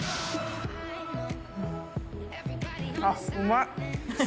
あっうまい。